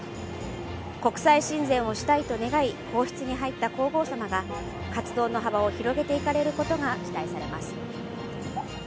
国際親善をしたいと願い、皇室に入った皇后さまが活動の幅を広げていかれることが期待されます。